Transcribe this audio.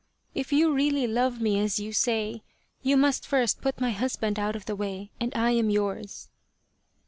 If you really love me as you say, you must first put my husband out of the way, and I am yours."